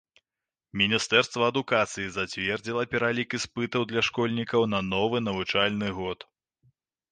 Міністэрства адукацыі зацвердзіла пералік іспытаў для школьнікаў на новы навучальны год.